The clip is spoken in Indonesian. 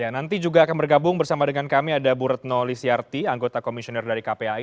nanti juga akan bergabung bersama dengan kami ada bu retno lisyarti anggota komisioner dari kpai